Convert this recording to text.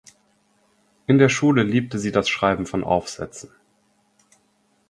In der Schule liebte sie das Schreiben von Aufsätzen.